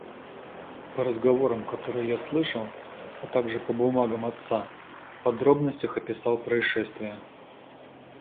По разговорам, которые я слышал, а также по бумагам отца, в подробностях описал происшествие.